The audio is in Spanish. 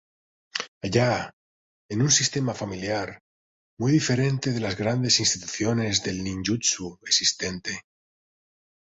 Allá, es un sistema familiar, muy diferente de las grandes instituciones de Ninjutsu existente.